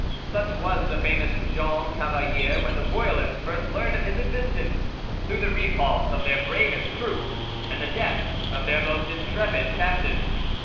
Such was the famous Jean Cavalier when the Royalists first learned of his existence, through the repulse of their bravest troops and the death of their most intrepid captain.